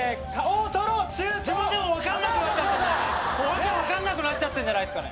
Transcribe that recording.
訳分かんなくなっちゃってるんじゃないすか！？